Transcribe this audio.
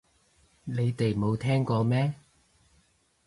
你哋冇聽過咩